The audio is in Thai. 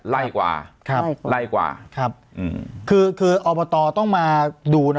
ไล่กว่าครับไล่กว่าครับอืมคือคืออบตต้องมาดูนะ